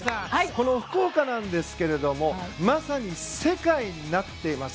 この福岡なんですがまさに、世界になっています。